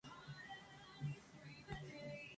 Reside en Galicia desde los años setenta.